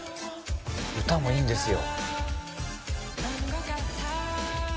歌もいいんですよ。